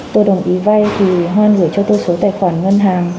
tôi đồng ý vay thì hoan gửi cho tôi số tài khoản ngân hàng